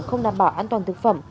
không đảm bảo an toàn thực phẩm